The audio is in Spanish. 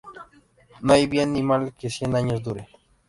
No hay bien ni mal que cien años dure